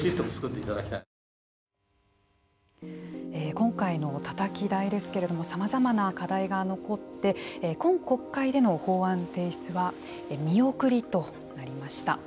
今回のたたき台ですけれどもさまざまな課題が残って今国会での法案提出は見送りとなりました。